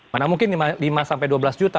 mana mungkin lima sampai dua belas juta